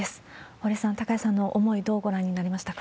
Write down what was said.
堀さん、高谷さんの思い、どうご覧になりましたか？